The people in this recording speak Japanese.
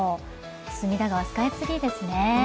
隅田川、スカイツリーですね。